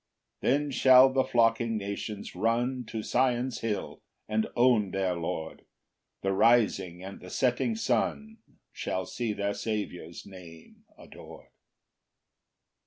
7 Then shall the flocking nations run To Sion's hill, and own their Lord; The rising and the setting sun Shall see their Saviour's name ador'd.